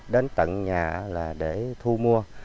đến tận nhà là để thu mua